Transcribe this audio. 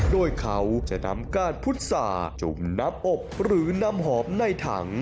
โดยเขาจะนำก้านพุษาจุ่มน้ำอบหรือน้ำหอมในถัง